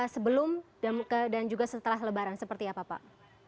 sebelum dan juga setelah lebaran seperti apa pak